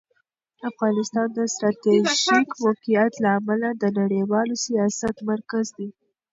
افغانستان د ستراتیژیک موقعیت له امله د نړیوال سیاست مرکز دی.